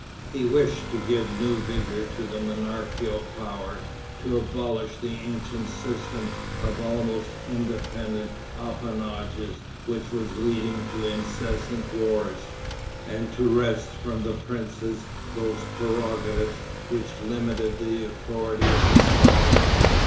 He wished to give new vigor to the monarchical power, to abolish the ancient system of almost independent appanages which was leading to incessant wars, and to wrest from the princes those prerogatives which limited the authority of the sovereign.